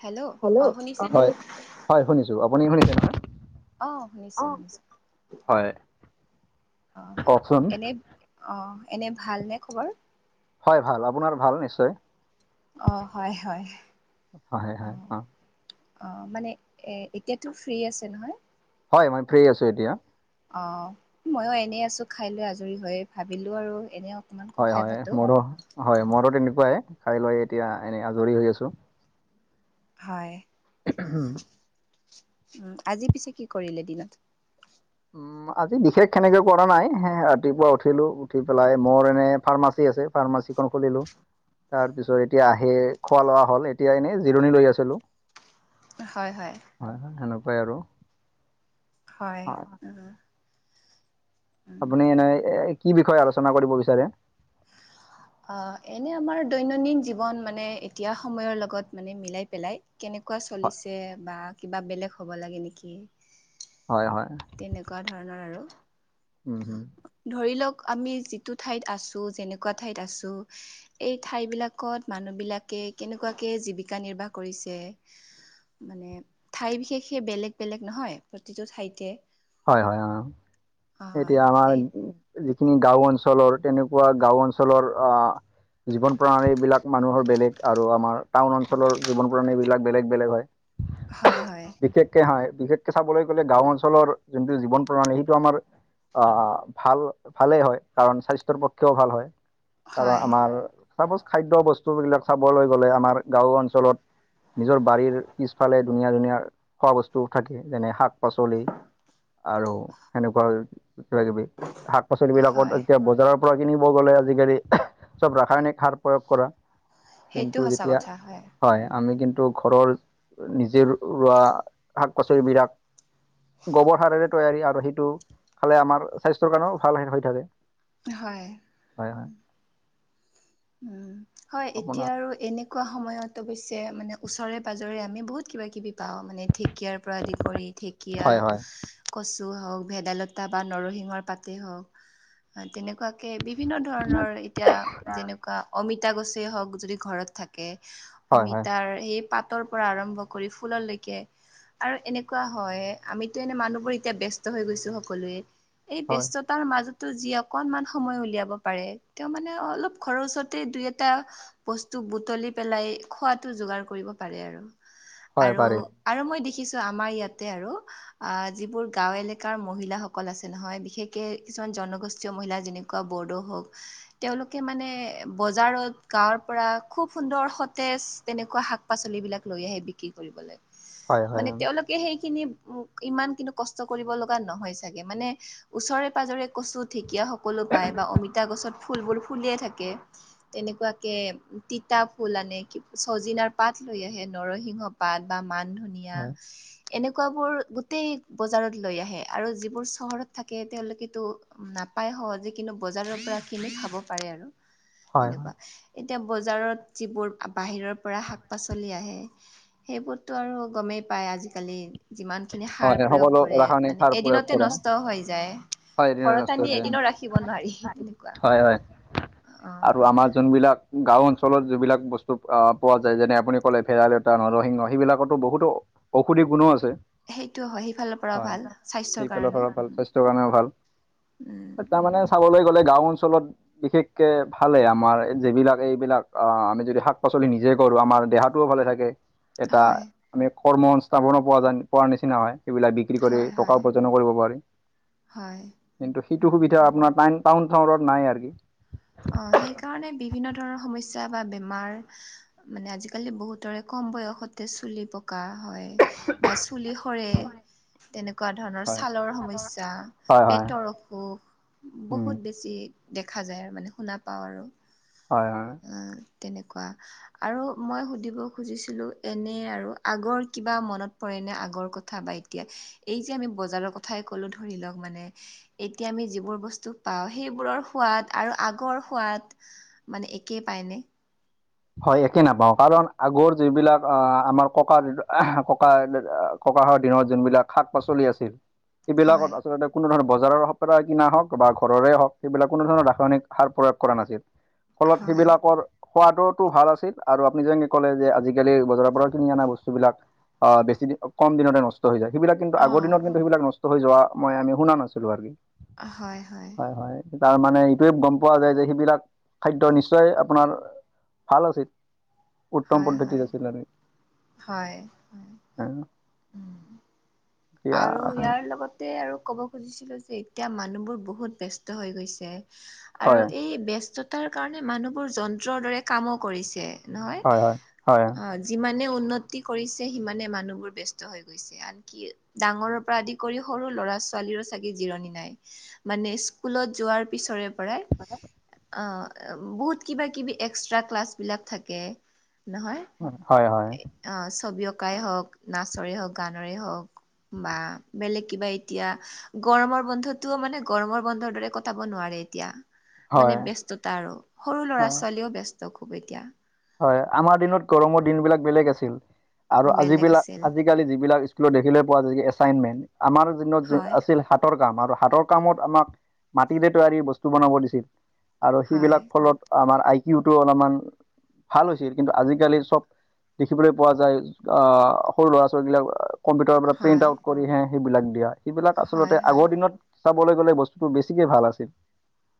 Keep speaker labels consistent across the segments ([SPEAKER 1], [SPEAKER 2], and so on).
[SPEAKER 1] Hello অ শুনিছেনে
[SPEAKER 2] হয়, হয়, শুনিছো। আপুনি শুনিছে নে?
[SPEAKER 1] অহ শুনিছো, শুনিছো অহ।
[SPEAKER 2] কওকচোন
[SPEAKER 1] এনেই- অহ এনেই ভালনে খবৰ?
[SPEAKER 2] হয় ভাল। আপোনাৰ ভাল নিশ্চয়?
[SPEAKER 1] অহ হয় হয়
[SPEAKER 2] হয় হয়
[SPEAKER 1] অহ,
[SPEAKER 2] অ
[SPEAKER 1] অ মানে এ এতিয়াটো ফ্ৰী আছে নহয়?
[SPEAKER 2] হয়, মই ফ্ৰী আছো এতিয়া।
[SPEAKER 1] অহ ময়ও এনেই আছো খাই লৈ আজৰি হৈ ভাবিলো আৰু এনেই,
[SPEAKER 2] হয় হয় মোৰো হয় মোৰো তেনেকুৱাই খাই লৈ এতিয়া এনেই আজৰি হৈ আছো।
[SPEAKER 1] হয়।
[SPEAKER 2] উম।
[SPEAKER 1] উম, আজি পিছে কি কৰিলে দিনত?
[SPEAKER 2] উম, আজি বিশেষ সেনেকে কৰা নাই ৰাতিপুৱা উঠিলো উঠি পেলাই মোৰ এনে ফাৰ্মাচী আছে ফাৰ্মাচী, খন খুলিলো। তাৰ পিছত এতিয়া আহি খোৱা লোৱা হ'ল, এতিয়া এনেই জিৰণি লৈ আছিলো।
[SPEAKER 1] হয় হয়।
[SPEAKER 2] হয় হয় সেনেকুৱাই আৰু
[SPEAKER 1] হয় উম, উম
[SPEAKER 2] আপুনি এনেই কি বিষয়ে আলোচনা কৰিব বিচাৰে।
[SPEAKER 1] [unintelligible] আঁহ এনেই আমাৰ দৈনন্দিন জীৱন মানে এতিয়া সময়ৰ লগত মানে মিলাই পেলাই, কেনেকুৱা
[SPEAKER 2] হয়
[SPEAKER 1] চলিছে বা কিবা বেলেগ হ'ব লাগে নেকি।
[SPEAKER 2] হয় হয়।
[SPEAKER 1] তেনেকুৱা ধৰণৰ আৰু
[SPEAKER 2] উম উম,
[SPEAKER 1] ধৰি লওক আমি যিটো ঠাইত আছো, যেনেকুৱা ঠাইত আছো, এই ঠাই বিলাকত মানুহবিলাকে কেনেকুৱাকে জীৱিকা নিৰ্বাহ কৰিছে। মানে ঠাই বিশেষে বেলেগ-বেলেগ নহয় প্ৰতিটো ঠাইতে,
[SPEAKER 2] হয় হয় অহ,
[SPEAKER 1] অ
[SPEAKER 2] এতিয়া আমাৰ,
[SPEAKER 1] এই
[SPEAKER 2] যিখিনি গাওঁৰ অঞ্চলৰ, তেনেকুৱা গাওঁ অঞ্চলৰ আঁহ- জীৱন-প্ৰণালী বিলাক মানুহৰ বেলেগ আৰু আমাৰ টাউন অঞ্চলৰ জীৱন-প্ৰণালী বিলাক বেলেগ বেলেগ হয়।
[SPEAKER 1] হয় হয়।
[SPEAKER 2] বিশেষকে হয়। বিশেষকে চাবলৈ গ'লে গাঁও অঞ্চলৰ যোনটো জীৱন-প্ৰণালী সেইটো আমাৰ। আহ ভাল ভালেই হয় কাৰণ স্বাস্থ্যৰ পক্ষেও ভাল হয়। কাৰণ
[SPEAKER 1] হয়
[SPEAKER 2] আমাৰ চাপজ খাদ্য বস্তু বিলাক চাবলৈ গ'লে আমাৰ গাঁও অঞ্চলত, নিজৰ বাৰীৰ পিছফালে ধুনীয়া ধুনীয়া, খোৱা বস্তু থাকে, যেনে শাক পাচলি আৰু সেনেকুৱা কিবা কিবি শাক
[SPEAKER 1] হয়
[SPEAKER 2] পাচলিবিলাকত যেতিয়া বজাৰপ কৰা কিনিব গ'লে আজিকালি, চ'ব ৰাসায়নিক সাৰ প্ৰয়োগ কৰা
[SPEAKER 1] সেইটো
[SPEAKER 2] কিন্তু
[SPEAKER 1] সঁচা
[SPEAKER 2] যেতিয়া
[SPEAKER 1] কথা
[SPEAKER 2] হয়।
[SPEAKER 1] উম
[SPEAKER 2] আমি কিন্তু ঘৰৰ নিজেই ৰোৱা শাক-পাচলিবিৰাক- গোবৰ সাৰেৰে তৈয়াৰী আৰু সেইটো খালে আমাৰ স্বাস্থ্যৰ কাৰণেও ভাল হৈ থাকে।
[SPEAKER 1] হয়।
[SPEAKER 2] হয় হয়
[SPEAKER 1] উম। হয় এতিয়া
[SPEAKER 2] আপোনাৰ
[SPEAKER 1] আৰু এনে- কোৱা সময়ত অৱশ্যে মানে ওচৰে পাঁজৰে আমি বহুত কিবা- কিবি পাওঁ মানে ঢেকীয়াৰ পৰা আদি কৰি-
[SPEAKER 2] হয়
[SPEAKER 1] কীয়া-
[SPEAKER 2] হয়
[SPEAKER 1] কচু হওক, ভেদাইলতা বা নৰসিংহৰ পাতে হওক তেনেকুৱা- কে বিভিন্ন ধৰণৰ এতিয়া যেনেক অমিতা গছেই হওক যদি ঘৰত থাকে
[SPEAKER 2] হয় হয়
[SPEAKER 1] অমিতাৰ সেই পাত তৰ পৰা আৰম্ভ কৰি ফুললৈকে আৰু এনেকুৱা হয় আমিতো এনে মানুহবোৰ এতিয়া ব্যস্ত হৈ গৈছো সকলোৱে। এই
[SPEAKER 2] হয়
[SPEAKER 1] ব্যস্ততাৰ মাজতো যি অকনমান সময় উলিয়াব পাৰে তেওঁ মানে অলপ ঘৰৰ ওচৰতে দুই এটা বস্তু বুটলি পেলাই খোৱাটো যোগাৰ কৰিব পাৰে আৰু।
[SPEAKER 2] হয়
[SPEAKER 1] আৰু
[SPEAKER 2] পাৰিম
[SPEAKER 1] আৰু মই দেখিছো আমাৰ ইয়াতে আৰু আহ যিবোৰ গাও এলেকাৰ মহিলাসকল আছে নহয় বিশেষকে কিছুমান জনগোষ্ঠীয় মহিলা যেন বড়ো হওক তেওঁলোকে মানে এ বজাৰত গাঁৱৰ পৰা খুব সুন্দৰ সতেজ তেনেকুৱা শাক পাচলি বিলাক লৈ আহে বি কি কৰিব লে
[SPEAKER 2] হয় হয়
[SPEAKER 1] মানে তেওঁলোক সেইখিনি ইমান কিন্তু কষ্ট কৰিব লগা নহয় চাগে মানে ওচৰে পাজৰে কচুত ঢেঁকীয়া সকলো পায় বা অমিতা গছত ফুলবোৰ ফুলিয়ে থাকে। তেনেকুৱাকে তিতা ফুল আনে ছজিনাৰ পাত লৈ আহে নৰসিংহ পাত বা মান ধুনীয়া
[SPEAKER 2] হয়
[SPEAKER 1] এনেকুৱাবোৰ গোটেই বজাৰত লৈ আহে আৰু যিবোৰ চহৰত থাকে তেওঁলোকেতো নাপায় সহজে কিন্তু বজাৰৰ পৰা কিনি খাব পাৰে আৰু।
[SPEAKER 2] হয়
[SPEAKER 1] তেনেকুৱা, এতিয়া বজাৰত যিবোৰ বাহিৰৰ পৰা শাক পাচলি আহে সেইবোৰতো আৰু গমেই পায় আজিকালি যিমান খিনি সাৰ
[SPEAKER 2] হয়
[SPEAKER 1] প্ৰয়োগ
[SPEAKER 2] সকলো
[SPEAKER 1] কৰে
[SPEAKER 2] ৰাসায়নিক
[SPEAKER 1] মানে
[SPEAKER 2] সাৰ প্ৰয়োগ
[SPEAKER 1] এদিনতে
[SPEAKER 2] কৰা
[SPEAKER 1] নষ্ট হৈ যায়।
[SPEAKER 2] হয়
[SPEAKER 1] ঘৰত
[SPEAKER 2] ঋণগ্ৰস্ত হৈ
[SPEAKER 1] আনি
[SPEAKER 2] যায়
[SPEAKER 1] এদিন ৰাখিব নোৱাৰি তেনেকুৱা।
[SPEAKER 2] হয় হয়
[SPEAKER 1] অ
[SPEAKER 2] আৰু আমাৰ যোনবিলাক গাঁও অঞ্চলত যিবিলাক বস্তু আহ পোৱা যায় যেনে আপুনি কলে ভেদাইলতা নৰসিংহ সেইবিলাকতো বহুতো ঔষধি গুনো আছে।
[SPEAKER 1] সেইটো হয় সিফালৰ পৰাও
[SPEAKER 2] হয়
[SPEAKER 1] ভাল স্বাস্থ্যৰ
[SPEAKER 2] সেইফালৰ
[SPEAKER 1] কাৰণে
[SPEAKER 2] পৰা ভাল
[SPEAKER 1] উ উম।
[SPEAKER 2] তাৰ মানে চাবলৈ গ'লে গাঁও অঞ্চলত বিশেষকে ভালেই আমাৰ যিবিলাক এইবিলাক আহ আমি যদি শাক পাচলি নিজে কৰো আমাৰ দেহাত ভালে থাকে এটা
[SPEAKER 1] হয়,
[SPEAKER 2] আমি কৰ্ম সংস্থাপনো পোৱা পোৱাৰ নিচিনা হয় সেইবিলাক বিক ক্ৰী কৰে
[SPEAKER 1] হয়, হয়,
[SPEAKER 2] টকা উপাৰ্জনো কৰিব পাৰি।
[SPEAKER 1] হয়।
[SPEAKER 2] কিন্তু সেইটো
[SPEAKER 1] উম,
[SPEAKER 2] সুবিধা আপোনাৰ টাইন টাউন চহৰত নাই আৰু কি
[SPEAKER 1] অ সেইকাৰণে বিভিন্ন ধৰণৰ সমস্যা বা বেমাৰ মানে আজিকালি বহুতৰে কম বয়সতে চুলি পকা হয়। বা চুলি সৰে।
[SPEAKER 2] হয়
[SPEAKER 1] তেনেকুৱা ধৰণৰ
[SPEAKER 2] হয়
[SPEAKER 1] ছালৰ সমস্যা
[SPEAKER 2] হয় হয়
[SPEAKER 1] পেটৰ অসুখ
[SPEAKER 2] উম
[SPEAKER 1] বহুত বেছি দেখা যায় আৰু মানে শুনা পাওঁ আৰু।
[SPEAKER 2] হয় হয়।
[SPEAKER 1] অ তেনেকুৱা। আৰু মই সুধিব খুজিছিলো, এনে আৰু আগৰ কিবা মনত পৰেনে আগৰ কথা বা এতিয়া, এই যে আমি বজাৰৰ কথাই কলো ধৰি লওক মানে, এতিয়া আমি যিবোৰ বস্তু পাওঁ, সেইবোৰৰ সোৱাদ আৰু আগৰ সোৱাদ মানে এ কে পায়নে
[SPEAKER 2] হয় একে নাপাওঁ কাৰণ আগৰ যিবিলাক আমাৰ ককা [unintelligible] ককাহঁতৰ দিনত যোনবিলাক শাক পাচলি আছিল
[SPEAKER 1] হয়
[SPEAKER 2] সেইবিলাকত আচলতে কোনো ধৰণৰ বজাৰৰ সপেৰা কিনা হওক বা ঘৰৰে হওক সেইবিলাক কোনো ধৰণৰ ৰাসায়নিক সাৰ প্ৰয়োগ কৰা নাছিল।
[SPEAKER 1] [inaudible]
[SPEAKER 2] ফলত সেইবিলাকৰ সোৱাদ- তো ভাল আছিল আৰু আপুনি যেনেকে ক'লে যে আজিকালি বজাৰৰ পৰা কিনি অনা বস্তু বিলাক আহ বেছি দিন কম দিনতে নষ্ট হৈ যায়, সেইবিলাক কিন্তু
[SPEAKER 1] অ
[SPEAKER 2] আগৰ দিনত কিন্তু সেইবিলাক নষ্ট হৈ যোৱা মই আমি শুনা নাছিলো আৰু
[SPEAKER 1] হয় হয়।
[SPEAKER 2] হয় হয়, তাৰমানে এইটোৱে গম পোৱা যায় যে, সেইবিলাক খাদ্য নিশ্চয় আপোনাৰ- ভাল আছিল, উত্তম
[SPEAKER 1] হয়
[SPEAKER 2] পদ্ধতিত
[SPEAKER 1] হয়
[SPEAKER 2] আছিল আৰু।
[SPEAKER 1] হয়।
[SPEAKER 2] উ
[SPEAKER 1] আৰু ইয়াৰ লগতে আৰু ক'ব খুজিছিলো যে, এতিয়া মানুহবোৰ বহুত ব্যস্ত হৈ গৈছে। আৰু
[SPEAKER 2] হয়
[SPEAKER 1] এই ব্যস্ততাৰ কাৰণে মানুহবোৰ যন্ত্ৰৰ দৰে কামো কৰিছে। নহয়,
[SPEAKER 2] হয় হয় হয়
[SPEAKER 1] অ যিমানে উন্নতি কৰিছে সিমানে মানুহবোৰ ব্যস্ত হৈ গৈছে, আনকি- ডাঙৰৰ পৰা আদি কৰি সৰু ল'ৰা-ছোৱালীৰো চাগে জিৰণি নাই। মানে স্কুলত যোৱাৰ পিছৰে পৰাই, অহ বহুত কিবা কিবি এক্সট্ৰা ক্লাছবিলাক থাকে নহয়,
[SPEAKER 2] উ হয় হয়।
[SPEAKER 1] অ ছবি অঁকাই হওক, নাচৰেই হওক, গানৰে হওক। বা বেলেগ কিবা এতিয়া গৰমৰ বন্ধতটোও মানে গৰমৰ বন্ধৰ দৰে ক- টাব নোৱাৰে এতিয়া, মানে
[SPEAKER 2] হয়
[SPEAKER 1] ব্যস্ততা আৰু সৰু
[SPEAKER 2] হয়
[SPEAKER 1] ল'ৰা-ছোৱালীয়েও ব্যস্ত খুব এতিয়া।
[SPEAKER 2] হয়, আমাৰ দিনত গৰমৰ দিন বিলাক বেলেগ আছিল। আৰু
[SPEAKER 1] বেলেগ আছিল
[SPEAKER 2] আজিবিলাক আজিকালি যিবিলাক স্কুলত দেখিবলৈ পোৱা যায় এছাইনমেণ্ট, আমাৰ দিনত
[SPEAKER 1] হয়
[SPEAKER 2] আছিল হা তৰ কাম, আৰু হাতৰ কামত আমাক মাটিৰে তৈয়াৰী বস্তু বনাব দিছিল। আৰু
[SPEAKER 1] হয়
[SPEAKER 2] সেইবিলাক ফলত আমাৰ আই কিউটো অলপমান, ভাল হৈছিল, কিন্তু আজিকালি চব দেখিবলৈ পোৱা যায় অহ সৰু ল'ৰা ছোৱালীবিলাকৰ কম্পিউটাৰৰ পৰা প্ৰিণ্ট
[SPEAKER 1] হয়
[SPEAKER 2] আউট কৰিহে সেইবিলাক দিয়া, সেইবিলাক আচলতে
[SPEAKER 1] হয় হয়
[SPEAKER 2] আগৰ দিনত, চাবলৈ গ'লে বস্তুতো বেছিয়ে ভাল আছিল,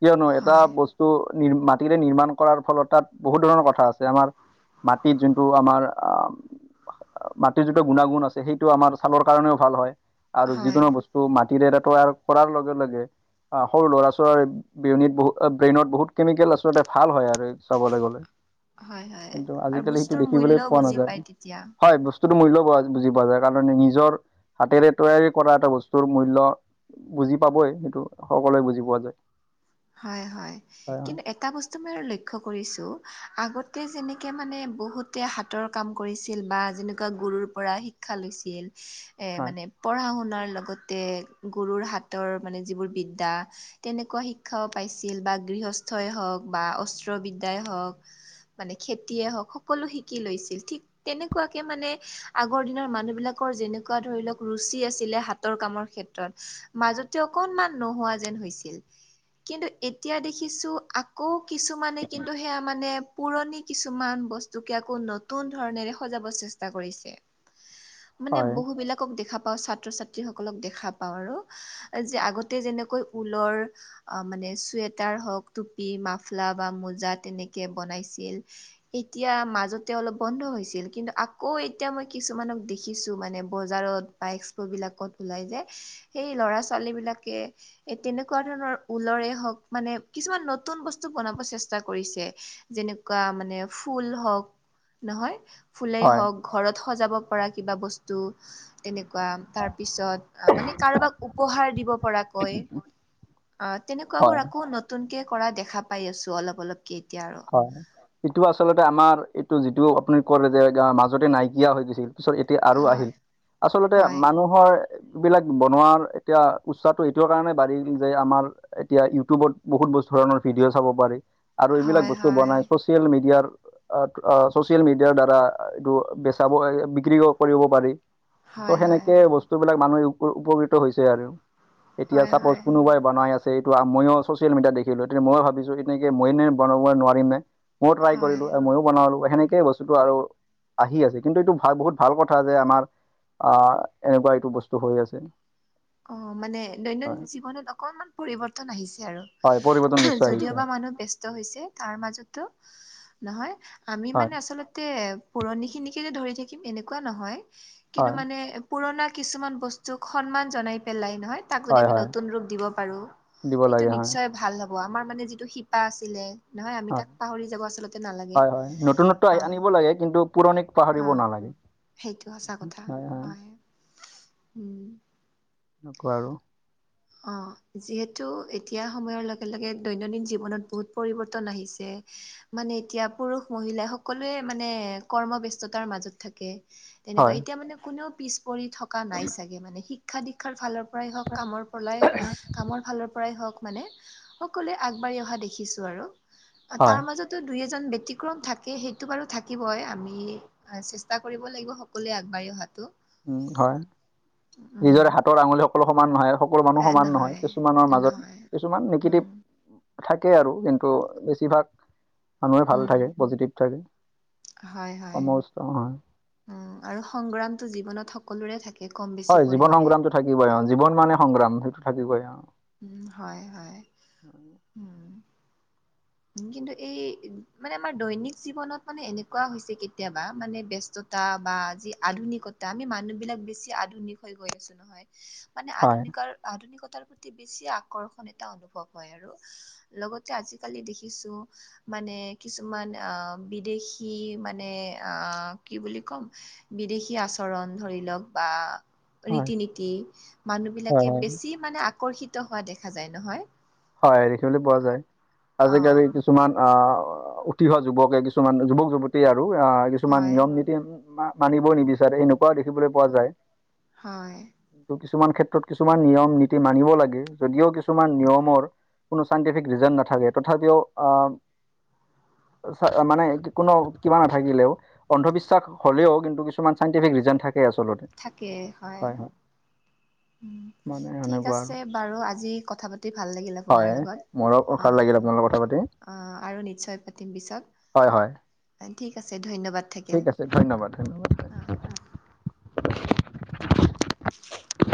[SPEAKER 2] কিয়নো এটা
[SPEAKER 1] হয়
[SPEAKER 2] ব স্তু নি মাটিৰে নিৰ্মাণ কৰাৰ ফলত তাত বহুত ধৰণৰ কথা আছে, আমাৰ মাটিত যোনটো আমাৰ মাটিৰ যিটো গুণাগুণ আ ছে সেইটো আমাৰ ছালৰ কাৰণেও ভাল হয়, আৰু
[SPEAKER 1] হয়
[SPEAKER 2] যিকোনো বস্তু মাটিৰে তৈয়াৰ কৰাৰ লগে লগে, সৰু ল'ৰা-ছোৱালীৰ বিয়নিত অহ ব্ৰেইনত বহুত কেমিকেল আচলতে ভাল হয় আৰু চাবলৈ গ'লে।
[SPEAKER 1] হয় হয়
[SPEAKER 2] কিন্তু
[SPEAKER 1] আৰু
[SPEAKER 2] আজিকালি সেইটো
[SPEAKER 1] বস্তুটোৰ
[SPEAKER 2] দেখিবলৈ
[SPEAKER 1] মূল্যও
[SPEAKER 2] পোৱা
[SPEAKER 1] বুজি
[SPEAKER 2] নাযায়,
[SPEAKER 1] পায় তেতিয়া
[SPEAKER 2] হয় ব স্তুটো মূল্য বুজি পোৱা যায়, কাৰণ নিজৰ হাতেৰে তৈয়াৰী কৰা এটা বস্তুৰ মূল্য বুজি পাবই সেইটো সকলোৱে বুজি পোৱা যায়।
[SPEAKER 1] হয় হয় কিন্তু এটা ব স্তু বাৰু লক্ষ্য কৰিছো, আগতে যেনেকে মানে বহুতে হাতৰ কাম কৰিছিল বা যেনেকোৱা গুৰুৰ পৰা শিক্ষা লৈছিল এ
[SPEAKER 2] হয়
[SPEAKER 1] মানে, পঢ়া-শুনাৰ লগতে গুৰুৰ হাতৰ মানে যিবোৰ বিদ্যা তেনেকোৱা শি ক্ষাও পাইছিল বা গৃহস্থই হওক বা অস্ত্ৰবিদ্যাই হওক মানে খেতিয়ে হওক সকলো শিকি লৈছিল ঠিক তেনেকোৱাকে মানে আগৰ দিনৰ মানুহ বিলাকৰ যেনেকোৱা ধৰি লওক ৰুচি আছিলে, হাতৰ কামৰ ক্ষে মাজতে অকনমান নোহোৱা যেন হৈছিল। কিন্তু এতিয়া দেখিছো আকৌ কিছুমানে কিন্তু সেয়া মানে পুৰণি কিছুমান বস্তুকে আকৌ নতুন ধৰণেৰে সজাব চেষ্টা কৰিছে। মানে
[SPEAKER 2] হয়
[SPEAKER 1] বহু বিলাকক দেখা পাও ছাত্ৰ-ছাত ত্ৰী সকলক দেখা পাওঁ আৰু যে আগতে যেনেকৈ ঊলৰ অ মানে চুৱেটাৰ হওক, টুপি, মাফলা বা মোজা তেনেকে বনাইছিল এতিয়া মাজতে অলপ বন্ধ হৈছিল, কিন্তু আকৌ এতিয়া মই কিছুমানক দেখিছো মানে বজাৰত বা এক্সপ' বিলাকত ওলাই যে, সেই ল'ৰা-ছোৱালী বিলাকে এ তেনেকোৱা ধৰণৰ, ঊলৰে হওক মানে কিছুমান নতুন বস্তু বনাব চেষ্টা কৰিছে, যেনে কোৱা মানে ফুল হওক নহয় ফুলেই
[SPEAKER 2] হয়
[SPEAKER 1] হওক, ঘৰত সজাব পৰা কিবা বস্তু তেনেকুৱা তাৰপিছত মানে কাৰোবাক উপহাৰ দিব পৰাকৈ অ
[SPEAKER 2] হয়
[SPEAKER 1] তেনেকুৱাবোৰ আকৌ নতুনকে কৰা দেখা পাই আছো অলপ অলপকে এতিয়া আৰু।
[SPEAKER 2] হয়, এইটো আচলতে আমাৰ এইটো যিটো আপুনি কৰে যে মাজতে নাইকিয়া হৈ গৈছিল। পিছত এতিয়া আৰু আহিল।
[SPEAKER 1] হয়
[SPEAKER 2] আচলতে
[SPEAKER 1] হয়
[SPEAKER 2] মানুহৰ এই বিলাক বনোৱাৰ এতিয়া উটচাহটো এইটো কাৰণে বাঢ়িল যে আমাৰ এতিয়া ইউটিউবত বহুত ব ধৰণৰ ভিডিঅ' চাব পাৰি আৰু এইবিলাক
[SPEAKER 1] হয়
[SPEAKER 2] বচ
[SPEAKER 1] হয়
[SPEAKER 2] ছ'চিয়েল মিডিয়াৰ অ, অ চচিয়েল মিডিয়াৰ দ্বাৰা এইটো বেচাব বিক্ৰীও কৰিব পাৰি। ত'
[SPEAKER 1] হয় হয়
[SPEAKER 2] সেনেকে বস্তুবিলাক মানুহে উপ-উপকৃত হৈছে আৰু এতিয়া
[SPEAKER 1] হয়
[SPEAKER 2] চাপজ
[SPEAKER 1] হয়
[SPEAKER 2] কোনোবাই বনাই আছে এইটো ময়ো চচিয়েল মিডিয়াত দেখিলো। তেতিয়া ময়ো ভাবিছো এনেকে মই নে বনাব নোৱাৰিম নে? ময়ো ট্ৰাই
[SPEAKER 1] হয়
[SPEAKER 2] কৰিলো মইও বনাও আৰু সেনেকে বস্তুটো আৰু আহি আছে। কিন্তু এইটো ভাল বহুত ভাল কথা যে আমাৰ আ এনেকুৱা এইটো বস্তু হৈ আছে।
[SPEAKER 1] অ, মানে দৈনন্দিন
[SPEAKER 2] হয়
[SPEAKER 1] জীৱনত অকণমান পৰিৱৰ্তন আহিছে আৰু।
[SPEAKER 2] হয় পৰিৱৰ্তন নিশ্চয় আহিছে
[SPEAKER 1] যদিওবা মানুহ বেছ ব্যস্ত হৈছে তাৰ মাজতো নহয় আমি
[SPEAKER 2] হয়
[SPEAKER 1] মানে আচলতে পুৰণিখিনিকে যে ধৰি থাকিম এনেকুৱা নহয়। কিন্তু
[SPEAKER 2] হয়
[SPEAKER 1] মানে পুৰণা কিছুমান বস্তুক সন্মান জনাই পেলাই নহয় তাকোদি
[SPEAKER 2] হয়
[SPEAKER 1] আমি
[SPEAKER 2] হয়
[SPEAKER 1] নতুন ৰূপ দিব পাৰোঁ
[SPEAKER 2] দিব
[SPEAKER 1] সেইটো
[SPEAKER 2] লাগে হয়
[SPEAKER 1] নিশ্চয় ভাল হ'ব। আমাৰ মানে যিটো শিপা আছিলে। নহয় আমি
[SPEAKER 2] হয়
[SPEAKER 1] তাক পাহৰি যাব আচলতে নালাগে,
[SPEAKER 2] হয় হয় নতুনত্ব
[SPEAKER 1] অ,
[SPEAKER 2] আনিব লাগে কিন্তু পুৰণিক
[SPEAKER 1] অ।
[SPEAKER 2] পাহৰিব নালাগে
[SPEAKER 1] সেইটো সঁচা কথা হয়, উম।
[SPEAKER 2] নকও আৰু
[SPEAKER 1] অ, যিহেতু এতিয়া সময়ৰ লগে লগে দৈনন্দিন জীৱনত বহুত পৰিৱৰ্তন আহিছে। মানে এতিয়া পুৰুষ-মহিলা সকলোৱে মানে কৰ্মব্যস্ততাৰ মাজত থাকে। তেনেকুৱা
[SPEAKER 2] হয়
[SPEAKER 1] এতিয়া মানে কোনেও পিছ পৰি থকা নাই চাগে। মানে শিক্ষা দীক্ষাৰ ফালৰ পৰাই হওক, কামৰ পলাই কামৰ ফালৰ পৰাই হওক মানে সকলোৱে আগবাঢ়ি অহা দেখিছো আৰু।
[SPEAKER 2] হয়
[SPEAKER 1] তাৰ মাজতো দুই এজন ব্যতিক্ৰম থাকে। সেইটো বাৰু থাকিবই। আমি অ চেষ্টা কৰিব লাগিব সকলোৱে আগবাঢ়ি অহাটো।
[SPEAKER 2] উম, হয়।
[SPEAKER 1] উম
[SPEAKER 2] নিজৰে হাতৰ আঙুলি সকলো সমান নহয় আ সকলো মানুহ সমান নহয় কিছুমানৰ মাজত।
[SPEAKER 1] নহয়
[SPEAKER 2] কিছুমান
[SPEAKER 1] উম
[SPEAKER 2] নিগেটিভ। থাকে আৰু কিন্তু বেছিভাগ মানুহে ভাল
[SPEAKER 1] উম
[SPEAKER 2] থাকে, পজিটিভ থাকে।
[SPEAKER 1] হয়, হয়
[SPEAKER 2] সমস্ত হয়
[SPEAKER 1] উ আৰু সংগ্ৰামটো জীৱনত সকলোৰে থাকে। কম বেছি
[SPEAKER 2] হয় জীৱন
[SPEAKER 1] পৰিমাণে
[SPEAKER 2] সংগ্ৰামটো থাকিবই অ। জীৱন মানে সংগ্ৰাম সেইটো থাকিবই অ।
[SPEAKER 1] উম, হয়, হয়। উম। কিন্তু এই মানে আমাৰ দৈনিক জীৱনত মানে এনেকুৱা হৈছে কেতিয়াবা। মানে ব্যস্ত তা বা যি আধুনিকতা আমি মানুহ বিলাক বেছি আধুনিক হৈ গৈ আছো নহয়। মান
[SPEAKER 2] হয়
[SPEAKER 1] আধুনিকাৰ আধুনিকতাৰ প্ৰতি বেছি আকৰ্ষণ এটা অনুভৱ হয় আৰু লগতে আজি কালি দেখিছো মানে কিছুমান আ বিদেশী মানে আ কি বুলি কম? বিদেশী আচৰণ ধৰি লওক বা
[SPEAKER 2] হয়
[SPEAKER 1] ৰীতি-নীতি
[SPEAKER 2] হয়
[SPEAKER 1] মানুহবিলাকে
[SPEAKER 2] হয়
[SPEAKER 1] বেছি মানে আকৰ্ষিত হোৱা দেখা যায় নহয়।
[SPEAKER 2] হয় দেখিবলৈ পোৱা যায়।
[SPEAKER 1] অ'
[SPEAKER 2] আজি-কালি কিছুমান আ উ টি অহা যুৱকে কিছুমান যুৱক যুৱতীয়ে আৰু আহ কিছুমান
[SPEAKER 1] হয়
[SPEAKER 2] নিয়ম নীতি- মা মানিবও নিবিচাৰে এনেকুৱাও দেখিবলৈ পোৱা যায়।
[SPEAKER 1] হয়।
[SPEAKER 2] কিছুমান ক্ষেত্ৰত কিছুমান নিয়ম নীতি মানিব লাগে যদিও কিছুমান নিয়মৰ কোনো চাইণ্টিফিক ৰিজন নাথাকে তথাপিও আহ মানে কোনো কিবা নাথাকিলেও। অন্ধবিশ্বাস হলেও কিন্তু কিছুমান চাইণ্টিফিক ৰিজন থাকে আচলতে।
[SPEAKER 1] থাকে হয়
[SPEAKER 2] মানে
[SPEAKER 1] ঠিক উম
[SPEAKER 2] সেনেকুৱা আৰু
[SPEAKER 1] আছে। বাৰু আজি কথা পাতি ভাল লাগিলে। আপোনাৰ
[SPEAKER 2] হয়
[SPEAKER 1] লগত
[SPEAKER 2] মোৰো
[SPEAKER 1] অ
[SPEAKER 2] ভাল লাগিল আপোনাৰ লগত কথা পাতি
[SPEAKER 1] অ আৰু নিশ্চয় পাতিম পিছত
[SPEAKER 2] হয় হয়।
[SPEAKER 1] অ ঠিক আছে ধন্যবাদ থাকিল
[SPEAKER 2] ঠিক আছে ধন্যবাদ ধন্যবাদ
[SPEAKER 1] অ। [inaudible]